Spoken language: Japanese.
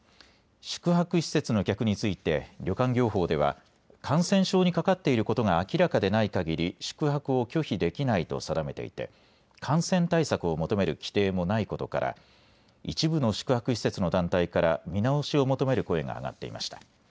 宿泊施設の客について旅館業法では感染症にかかっていることが明らかでないかぎり宿泊を拒否できないと定めていて感染対策を求める規定もないことから一部の宿泊施設の団体から見直しを求める声が上がっていました。